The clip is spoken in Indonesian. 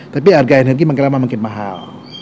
tapi harga energi makin lama makin mahal